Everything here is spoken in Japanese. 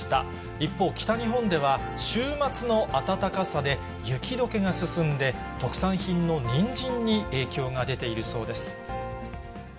一方、北日本では週末の暖かさで、雪どけが進んで、特産品のにんじんに影響が出ているそうです。